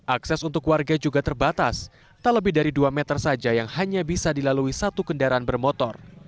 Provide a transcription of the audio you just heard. akses untuk warga juga terbatas tak lebih dari dua meter saja yang hanya bisa dilalui satu kendaraan bermotor